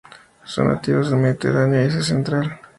Son nativas del Mediterráneo y Asia central.